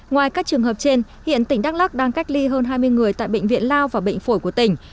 ngoài các trường hợp trên hiện tỉnh đắk lắc đang cách ly hơn hai mươi người tại bệnh viện lao và bệnh phổi của tỉnh